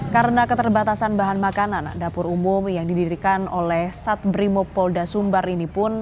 karena keterbatasan bahan makanan dapur umum yang didirikan oleh sat brimopolda sumbar ini pun